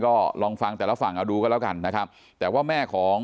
ก็ลองฟังแต่ละฝั่งเอาดูกันแล้วกันนะครับแต่ว่าแม่ของ